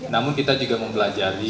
namun kita juga mempelajari